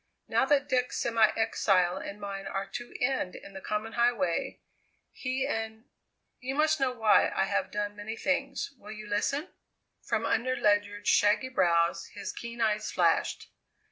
Now that Dick's semi exile and mine are to end in the common highway, he and you must know why I have done many things will you listen?" From under Ledyard's shaggy brows his keen eyes flashed.